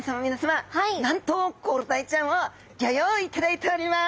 なんとコロダイちゃんをギョ用意いただいております。